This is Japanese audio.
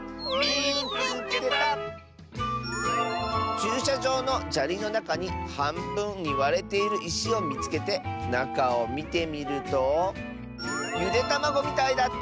「ちゅうしゃじょうのじゃりのなかにはんぶんにわれているいしをみつけてなかをみてみるとゆでたまごみたいだった！」。